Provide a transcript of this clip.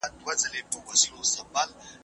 خدای په هر څه قادر دی.